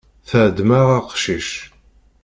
Teεḍem-aɣ aqcic.